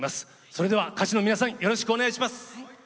それでは、歌手の皆さんよろしくお願いします。